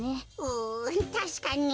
うたしかに。